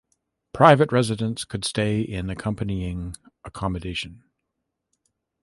Private residents could stay in accompanying accommodation.